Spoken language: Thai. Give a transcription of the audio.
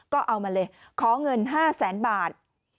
ก็เอามาเลยขอเงิน๕แสนบาท